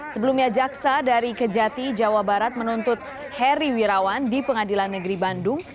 sebelumnya jaksa dari kejati jawa barat menuntut heri wirawan di pengadilan negeri bandung